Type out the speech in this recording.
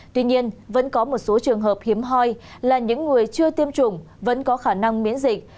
tuy nhiên vẫn có một số trường hợp hiếm hoi là những người chưa tiêm chủng vẫn có khả năng miễn dịch